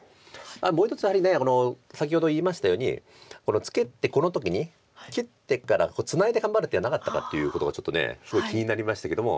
もう一つやはりこの先ほど言いましたようにこのツケてこの時に切ってからツナいで頑張る手はなかったかっていうことがちょっとすごい気になりましたけども。